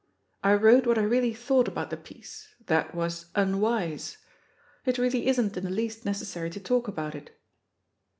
I wrote what I really thought about the piece. That was unwise. It really isn't in the least necessary to talk about it."